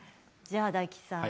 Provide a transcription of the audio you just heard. じゃあ大吉さん。